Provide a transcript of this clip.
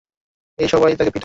এই, সবাই তাকে পিটা।